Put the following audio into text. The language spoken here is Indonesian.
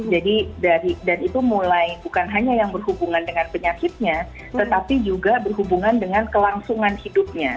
jadi dari dan itu mulai bukan hanya yang berhubungan dengan penyakitnya tetapi juga berhubungan dengan kelangsungan hidupnya